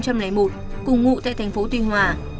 cùng ngụ tại tp tuy hòa